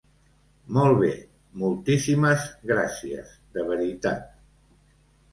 Molt bé, moltíssimes gràcies de veritat.